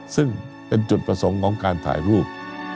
ซึ่งเป็นจุดประสงค์ของการถ่ายรูป